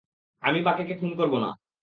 আমি বাঁকেকে খুন করব না।